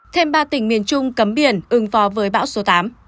thêm ba tỉnh miền trung cấm biển ứng phó với bão số tám